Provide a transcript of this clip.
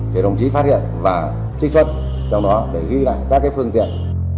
thì đồng chí phát hiện và trích xuất trong đó để ghi lại các phương tiện